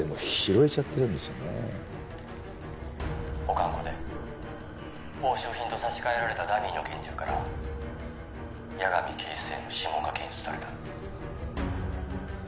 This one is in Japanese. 「保管庫で押収品と差し替えられたダミーの拳銃から矢上警視正の指紋が検出された」